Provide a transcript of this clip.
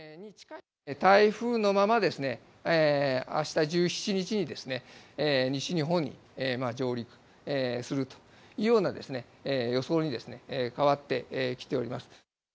台風のままですね、あした１７日に、西日本に上陸するというような予想に変わってきております。